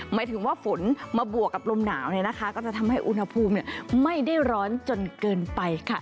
หมายถึงว่าฝนมาบวกกับลมหนาวก็จะทำให้อุณหภูมิไม่ได้ร้อนจนเกินไปค่ะ